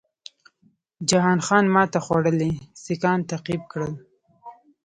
جهان خان ماته خوړلي سیکهان تعقیب کړل.